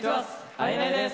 ＩＮＩです！